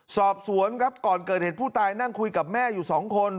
สอบสวนครับก่อนเกิดเหตุผู้ตายนั่งคุยกับแม่อยู่สองคน